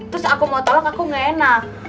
terus aku mau tolak aku gak enak